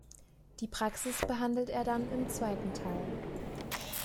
Die Praxis behandelt er dann im zweiten Teil.